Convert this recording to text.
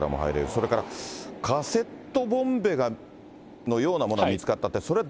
それからカセットボンベのようなものが見つかったってそれ、